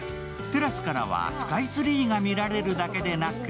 テラスからはスカイツリーが見られるだけでなく